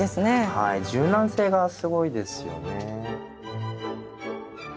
はい柔軟性がすごいですよね。